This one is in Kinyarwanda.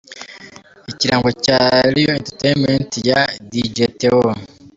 Ikirango cya Real Entertainement ya Dj Theo.